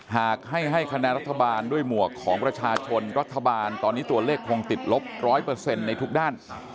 หากให้คะแนนรัฐบาลด้วยหมวกของประชาชนรัฐบาลตอนนี้ตัวเลขคงติดลบ๑๐๐ในทุกด้าน